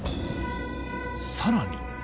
さらに。